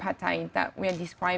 yang hidup di bagian